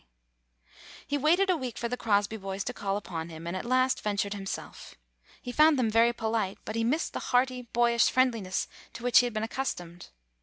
110 ] GONE ASTRAY He waited a week for the Crosby boys to call upon him, and at last ventured himself. He found them very polite, but he missed the hearty boyish friendliness to which he had been accustomed.